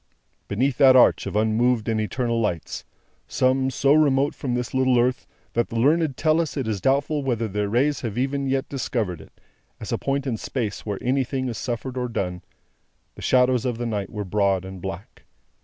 Beneath that arch of unmoved and eternal lights; some, so remote from this little earth that the learned tell us it is doubtful whether their rays have even yet discovered it, as a point in space where anything is suffered or done: the shadows of the night were broad and black.